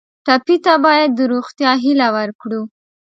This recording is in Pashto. ټپي ته باید د روغتیا هیله ورکړو.